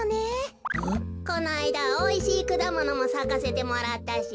このあいだおいしいくだものもさかせてもらったし。